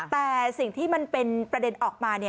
แต่สิ่งที่มันเป็นประเด็นออกมา